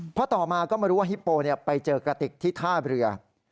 เพราะต่อมาก็มารู้ว่าฮิปโปไปเจอกระติกที่ท่าเรือ